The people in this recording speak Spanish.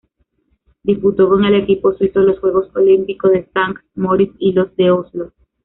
Disputó con el equipo suizo los Juegos Olímpicos de Sankt-Moritz y los de Oslo.